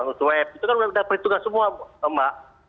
itu kan sudah kita perhitungkan semua mbak